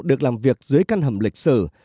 được làm việc dưới căn hầm lịch sử